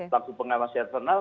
laku pengawas internal